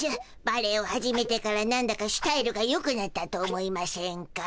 バレエを始めてからなんだかスタイルがよくなったと思いましぇんか？